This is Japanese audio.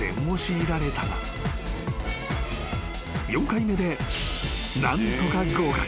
［４回目で何とか合格］